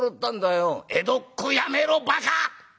「江戸っ子やめろバカ！